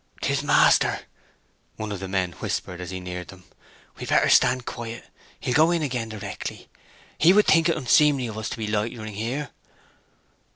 "'Tis master," one of the men whispered, as he neared them. "We'd better stand quiet—he'll go in again directly. He would think it unseemly o' us to be loitering here."